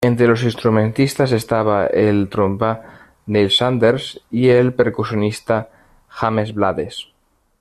Entre los instrumentistas estaba el trompa Neill Sanders y el percusionista James Blades.